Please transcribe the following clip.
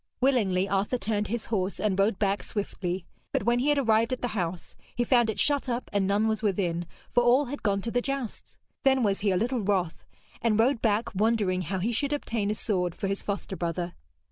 Willingly Arthur turned his horse and rode back swiftly. But when he had arrived at the house, he found it shut up and none was within, for all had gone to the jousts. Then was he a little wroth, and rode back wondering how he should obtain a sword for his foster brother.